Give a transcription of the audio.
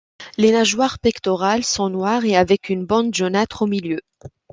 Les nageoires pectorales sont noires et avec une bande jaunâtre au milieu.